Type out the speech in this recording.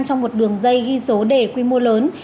trong một đường dây ghi số đề quy mô lớn